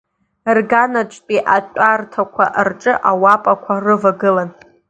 Рганаҿтәи атәарҭақәа рҿы ауапақәа рывагылан.